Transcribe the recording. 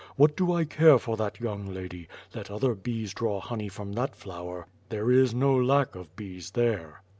What do I care for that young lady: let other bees draw honey from that flower; there is no lack of bees there."